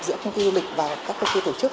giữa công ty du lịch và các công ty tổ chức